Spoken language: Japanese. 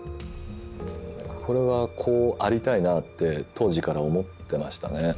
これはこうありたいなって当時から思ってましたね。